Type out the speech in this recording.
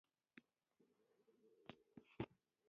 چې بيا يې نه سقوي يرغل خلاصولای شي او نه طالباني.